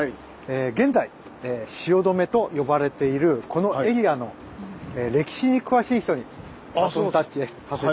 現在「汐留」と呼ばれているこのエリアの歴史に詳しい人にバトンタッチさせて頂きます。